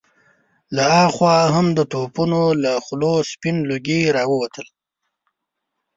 له هاخوا هم د توپونو له خولو سپين لوګي را ووتل.